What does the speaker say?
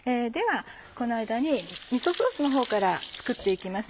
この間にみそソースのほうから作って行きます。